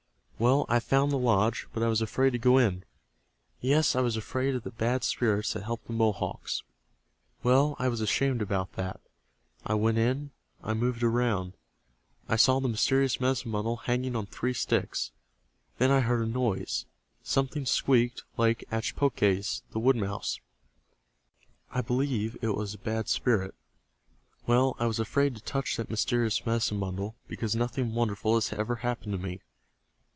Well, I found the lodge, but I was afraid to go in. Yes, I was afraid of the Bad Spirits that help the Mohawks. Well, I was ashamed about that. I went in. I moved around. I saw the mysterious medicine bundle hanging on three sticks. Then I heard a noise. Something squeaked like Achpoques, the wood mouse. I believe it was a Bad Spirit. Well, I was afraid to touch that mysterious medicine bundle, because nothing wonderful has ever happened to me.